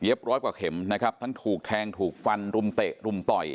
ร้อยกว่าเข็มนะครับทั้งถูกแทงถูกฟันรุมเตะรุมต่อย